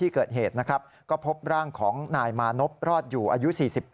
ก็พบร่างของนายมานบรอดอยู่อายุ๔๘